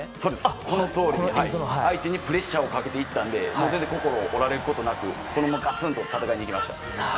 相手にプレッシャーをかけていったので心を折られることなくこのままガツンと戦いに行きました。